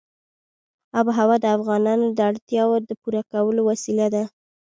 آب وهوا د افغانانو د اړتیاوو د پوره کولو وسیله ده.